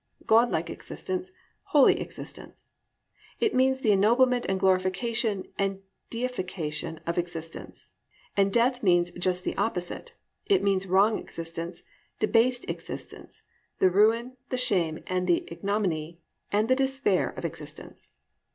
God like existence, holy existence. It means the ennoblement and glorification and deification of existence; and death means just the opposite, it means wrong existence, debased existence, the ruin, the shame, and the ignominy and the despair of existence.